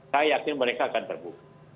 saya yakin mereka akan terbuka